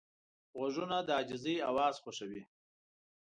غوږونه د عاجزۍ اواز خوښوي